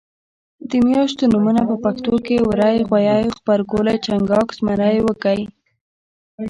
د میاشتو نومونه په پښتو کې وری غویي غبرګولی چنګاښ زمری وږی